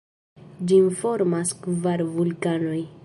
Ĝin formas kvar vulkanoj.